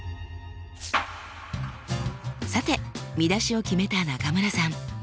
さて見出しを決めた中村さん。